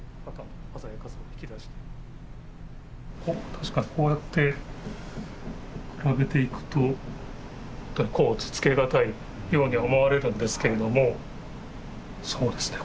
確かにこうやって比べていくと甲乙つけがたいように思われるんですけれどもそうですね